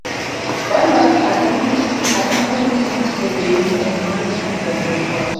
One wife accompanied him to the dairy and handed him the milk-pot.